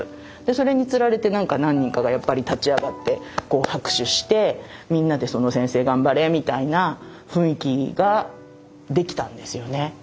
それにつられて何か何人かが立ち上がって拍手してみんなでその先生頑張れみたいな雰囲気ができたんですよね。